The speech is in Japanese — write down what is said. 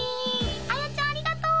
彩ちゃんありがとう！